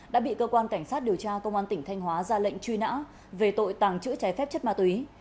đã bị cơ quan cảnh sát điều tra công an tỉnh thanh hóa ra lệnh truy nã về tội tàng trữ trái phép chất ma túy